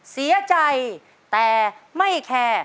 เสียใจแต่ไม่แคร์